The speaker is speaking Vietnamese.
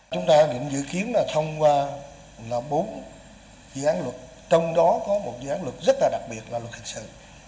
chúng ta định dự kiến là thông qua là bốn dự án luật trong đó có một dự án luật rất là đặc biệt là luật hình sự